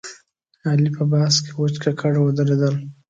علي په بحث کې وچ ککړ ودرېدل.